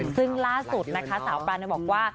ซึ่งล่าสุดนะคะสาวปรานบอกว่า